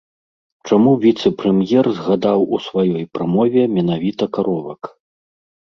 Чаму віцэ-прэм'ер згадаў у сваёй прамове менавіта каровак?